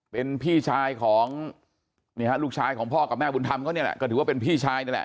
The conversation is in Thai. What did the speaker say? เป็นพี่ชายของลูกชายของพ่อกับแม่บุญธรรมเขาเนี่ยแหละก็ถือว่าเป็นพี่ชายนั่นแหละ